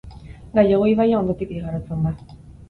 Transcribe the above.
Gallego ibaia ondotik igarotzen da.